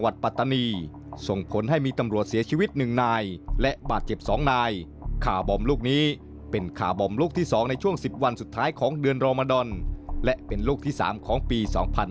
ดาวนี้จากที่๓ของปี๒๕๕๙